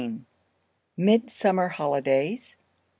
MIDSUMMER HOLIDAYS.